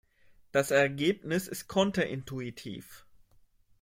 Das Ergebnis ist konterintuitiv.